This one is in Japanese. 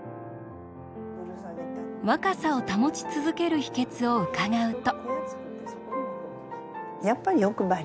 若さを保ち続ける秘けつをうかがうと。